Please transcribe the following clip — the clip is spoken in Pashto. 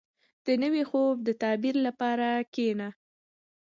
• د نوي خوب د تعبیر لپاره کښېنه.